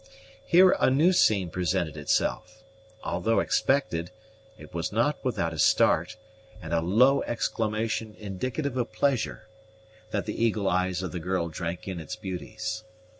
Here a new scene presented itself: although expected, it was not without a start, and a low exclamation indicative of pleasure, that the eager eyes of the girl drank in its beauties.